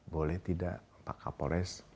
boleh tidak pak kapolres